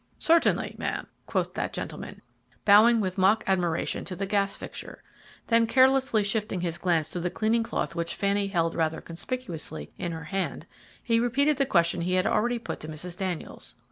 "Certainly, ma'am," quoth that gentleman, bowing with mock admiration to the gas fixture. Then carelessly shifting his glance to the cleaning cloth which Fanny held rather conspicuously in her hand, he repeated the question he had already put to Mrs. Daniels.